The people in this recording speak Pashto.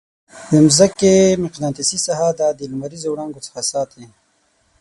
د مځکې مقناطیسي ساحه دا د لمریزو وړانګو څخه ساتي.